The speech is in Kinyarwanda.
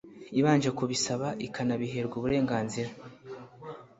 ibanje kubisaba ikanabiherwa uburenganzira